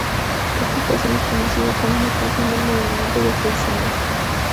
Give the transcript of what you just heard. Esta ecuación es conocida como la "Ecuación de movimiento de Heisenberg".